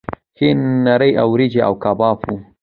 ښې نرۍ وریجې او کباب وو.